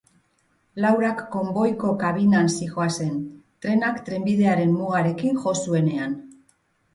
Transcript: Laurak konboiko kabinan zihoazen, trenak trenbidearen mugarekin jo zuenean.